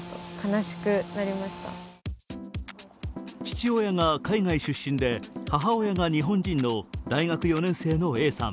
父親が海外出身で母親が日本人の大学４年生のＡさん。